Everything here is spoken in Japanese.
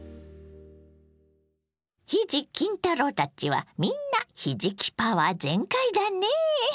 ひじ・きん太郎たちはみんなひじきパワー全開だねぇ。